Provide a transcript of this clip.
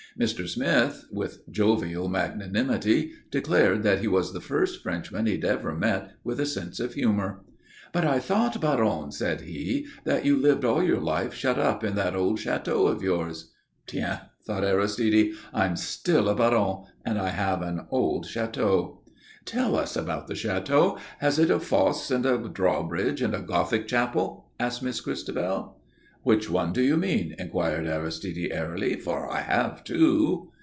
Mr. Smith, with jovial magnanimity, declared that he was the first Frenchman he had ever met with a sense of humour. "But I thought, Baron," said he, "that you lived all your life shut up in that old château of yours?" "Tiens!" thought Aristide. "I am still a Baron, and I have an old château." "Tell us about the château. Has it a fosse and a drawbridge and a Gothic chapel?" asked Miss Christabel. "Which one do you mean?" inquired Aristide, airily. "For I have two."